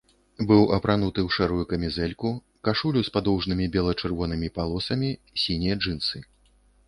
Быў апрануты ў шэрую камізэльку, кашулю з падоўжнымі бела-чырвонымі палосамі, сінія джынсы.